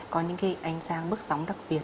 có những cái ánh sáng bước sóng đặc biệt